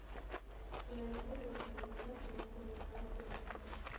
La isla se localiza en las coordenadas geográficas